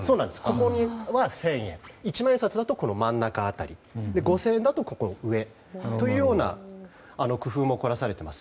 ここは千円一万円札だと真ん中辺り五千円札だと上というような工夫も凝らされています。